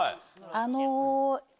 あの。